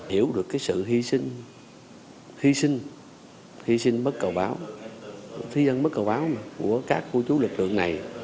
hiểu được cái sự hy sinh hy sinh hy sinh bất cầu báo thi ân bất cầu báo của các cô chú lực lượng này